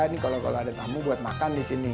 ini kalau ada tamu buat makan disini